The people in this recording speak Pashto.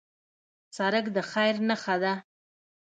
سړک د خیر نښه ده.